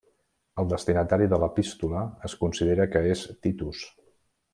El destinatari de l'epístola es considera que és Titus.